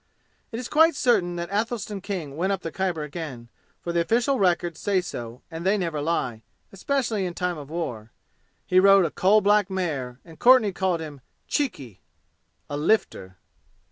It is quite certain that Athelstan King went up the Khyber again, for the official records say so, and they never lie, especially in time of war. He rode a coal black mare, and Courtenay called him "Chikki" a "lifter."